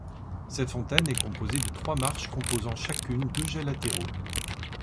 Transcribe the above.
Cette fontaine est composée de trois marches composant chacune deux jets latéraux.